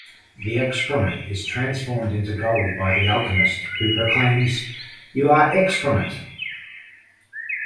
The excrement is transformed into gold by the alchemist, who proclaims: You are excrement.